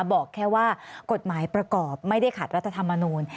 บอกแค่ว่ากฎหมายประกอบไม่ได้ขัดรัฐธรรมนูล